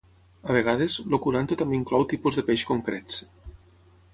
A vegades, el curanto també inclou tipus de peix concrets.